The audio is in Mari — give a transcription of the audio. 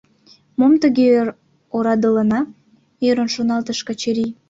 «Мом тыге орадылана?» — ӧрын шоналтыш Качырий.